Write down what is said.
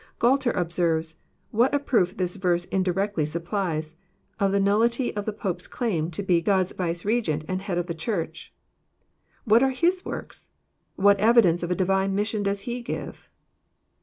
Gualter observes, what a proof this verse indirectly supplies of the nullity of the Pope's claim to be God's vicegerent and head of the Church 1 What are t is works ? What evidence of « divine mission does he give?